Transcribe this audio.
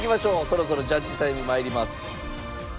そろそろジャッジタイム参ります。